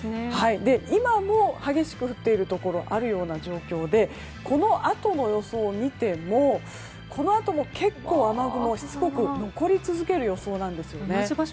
今も、激しく降っているところあるような状況でこのあとの予想を見てもこのあとも結構、雨雲がしつこく残り続ける予想なんです。